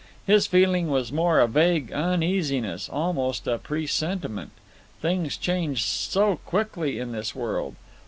His feeling was more a vague uneasiness, almost a presentiment. Things changed so quickly in this world.